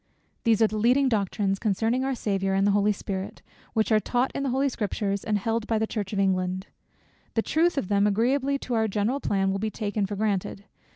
These are the leading Doctrines concerning our Saviour, and the Holy Spirit, which are taught in the Holy Scriptures, and held by the Church of England. The truth of them, agreeably to our general plan, will be taken for granted.